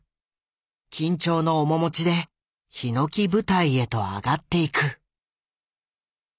緊張の面持ちでひのき舞台へと上がっていく。